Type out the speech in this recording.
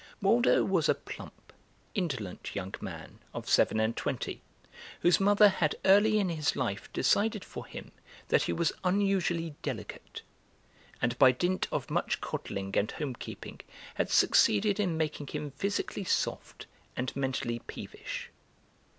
Waldo was a plump, indolent young man of seven and twenty, whose mother had early in his life decided for him that he was unusually delicate, and by dint of much coddling and home keeping had succeeded in making him physically soft and mentally peevish.